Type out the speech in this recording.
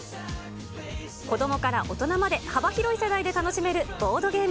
子どもから大人まで、幅広い世代で楽しめるボードゲーム。